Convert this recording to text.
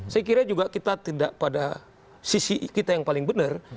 saya kira juga kita tidak pada sisi kita yang paling benar